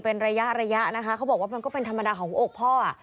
เป็นระยะระยะนะคะเขาบอกว่ามันก็เป็นธรรมดาของหัวอกพ่อ